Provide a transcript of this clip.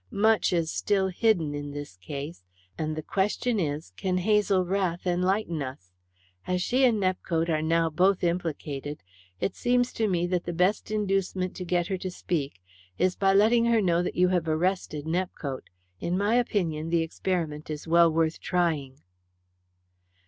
Much is still hidden in this case, and the question is, can Hazel Rath enlighten us? As she and Nepcote are now both implicated, it seems to me that the best inducement to get her to speak is by letting her know that you have arrested Nepcote. In my opinion, the experiment is well worth trying."